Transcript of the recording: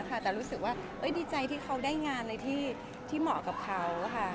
แต่รู้สึกว่าดีใจที่เขาได้งานอะไรที่เหมาะกับเขาค่ะ